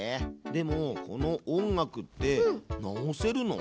でもこの音楽って直せるの？